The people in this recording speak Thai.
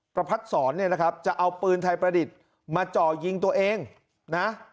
ประพัดศรเนี่ยนะครับจะเอาปืนไทยประดิษฐ์มาจ่อยิงตัวเองนะ